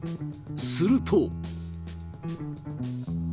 すると。